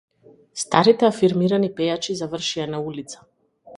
Старите афирмирани пејачи завршија на улица